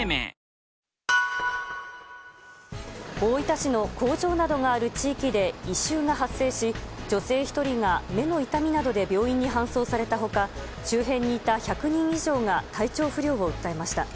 大分市の工場などがある地域で異臭が発生し女性１人が目の痛みなどで病院に搬送された他周辺にいた１００人以上が体調不良を訴えました。